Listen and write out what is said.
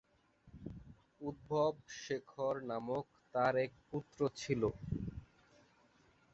উদ্ধব শেখর নামক তার এক পুত্র ছিল।